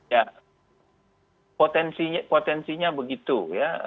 ya potensinya begitu ya